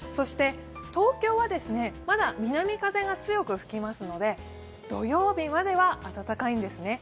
東京はまだ南風が強く吹きますので、土曜日までは暖かいんですね。